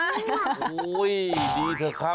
ทุกคนว่า